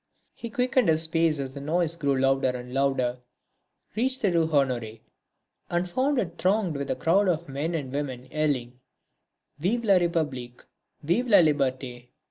He quickened his pace as the noise grew louder and louder, reached the Rue Honoré and found it thronged with a crowd of men and women yelling: "Vive la République! Vive la Liberté!"